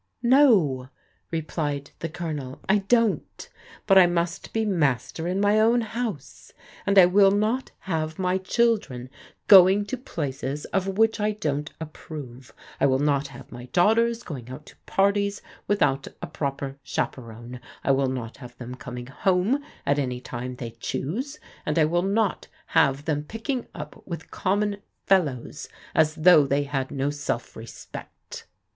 " No," replied the Colonel, " I don't ; but I must be master in my own house. And I will not have my chil dren going to places of which I don't approve, I will not have my daughters going out to parties without a proper chaperon, I will not have them coming home at any time they choose, and I will not have them picking up with common fellows, as though they had no self respect."